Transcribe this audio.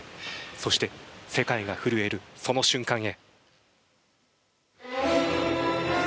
そして世界が震える、その瞬間へ。